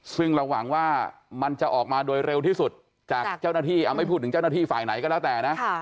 ซึ่งเราหวังว่ามันจะออกมาโดยเร็วที่สุดจากเจ้าหน้าที่ไม่พูดถึงเจ้าหน้าที่ฝ่ายไหนก็แล้วแต่นะ